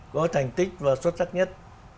có thành tích và xuất sắc nhất